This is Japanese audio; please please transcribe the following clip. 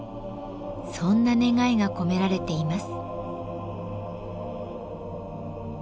そんな願いが込められています。